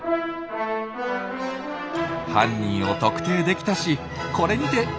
犯人を特定できたしこれにて一件落着です！